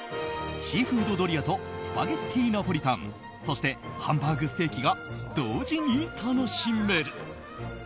シーフードドリアとスパゲティナポリタンそしてハンバーグステーキが同時に楽しめる。